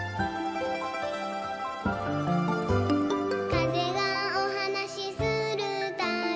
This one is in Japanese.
「かぜがおはなしするたび」